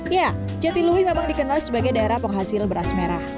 ya jatilui memang dikenal sebagai daerah penghasil beras merah